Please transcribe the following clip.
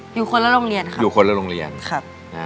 อยู่คนละโรงเรียนค่ะอยู่คนละโรงเรียนครับอ่า